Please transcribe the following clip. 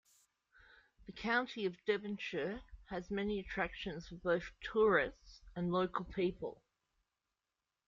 The county of Derbyshire has many attractions for both tourists and local people.